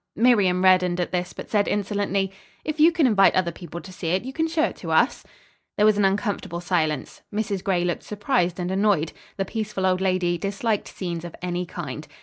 Miriam reddened at this, but said insolently, "If you can invite other people to see it, you can show it to us." There was an uncomfortable silence. Mrs. Gray looked surprised and annoyed. The peaceful old lady, disliked scenes of any kind.